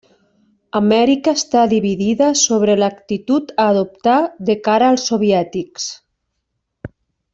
Amèrica està dividida sobre l'actitud a adoptar de cara als soviètics.